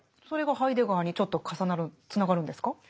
それがハイデガーにちょっと重なるつながるんですか？